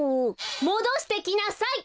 もどしてきなさい！